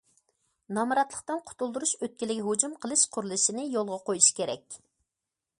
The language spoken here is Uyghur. نامراتلىقتىن قۇتۇلدۇرۇش ئۆتكىلىگە ھۇجۇم قىلىش قۇرۇلۇشىنى يولغا قويۇش كېرەك.